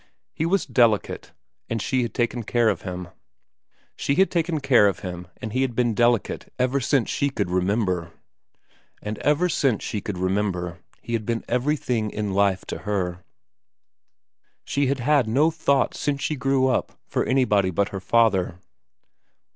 He was delicate, and she had taken care of him. She had taken care of him and he had been delicate ever since she could remember. And ever since she could remember he had been everything in life to her. She had had no thought since she grew up for anybody but her father.